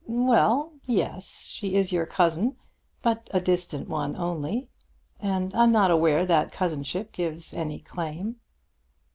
"Well; yes. She is your cousin, but a distant one only; and I'm not aware that cousinship gives any claim."